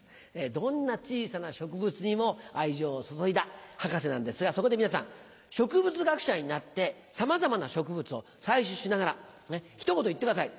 どんな小さな植物にも愛情を注いだ博士なんですがそこで皆さん植物学者になってさまざまな植物を採取しながら一言言ってください。